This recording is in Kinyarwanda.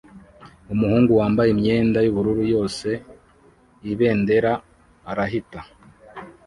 Umuhungu wambaye imyenda yubururu yose ibendera arahita